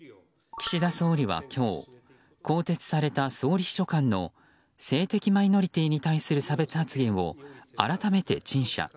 岸田総理は今日更迭された総理秘書官の性的マイノリティーに対する差別発言を改めて陳謝。